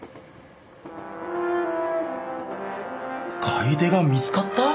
買い手が見つかった？